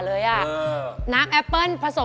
เก่งนะเนี่ย